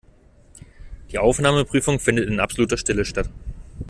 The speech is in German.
Die Aufnahmeprüfung findet in absoluter Stille statt.